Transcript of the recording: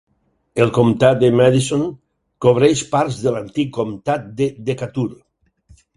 El comtat de Madison cobreix parts de l'antic comtat de Decatur.